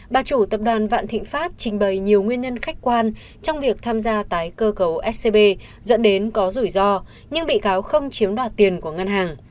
bà chủ tập đoàn vạn thịnh pháp trình bày nhiều nguyên nhân khách quan trong việc tham gia tái cơ cấu scb dẫn đến có rủi ro nhưng bị cáo không chiếm đoạt tiền của ngân hàng